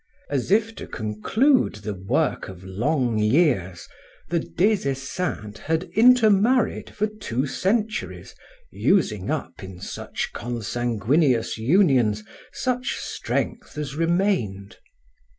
As if to conclude the work of long years, the Des Esseintes had intermarried for two centuries, using up, in such consanguineous unions, such strength as remained.